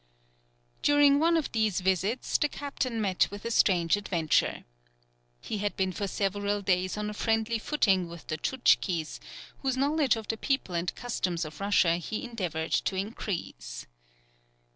During one of these visits, the captain met with a strange adventure. He had been for several days on a friendly footing with the Tchouktchis, whose knowledge of the people and customs of Russia he endeavoured to increase.